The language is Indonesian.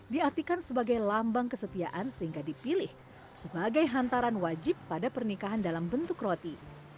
diartikan sebagai lambang kesetiaan sehingga dipilih sebagai hantaran wajib pada pernikahan dalam bentuk roti